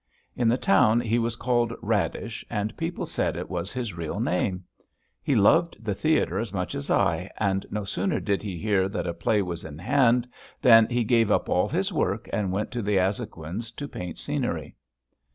In the town he was called Radish, and people said it was his real name. He loved the theatre as much as I, and no sooner did he hear that a play was in hand than he gave up all his work and went to the Azhoguins' to paint scenery.